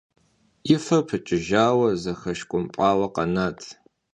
И фэр пыкӏыжауэ, зэхэушкӏумпӏауэ къэнат.